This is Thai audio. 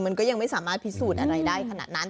มันก็ยังไม่สามารถพิสูจน์อะไรได้ขนาดนั้น